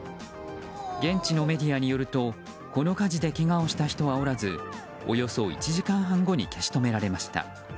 現地のメディアによるとこの火事でけがをした人はおらずおよそ１時間半後に消し止められました。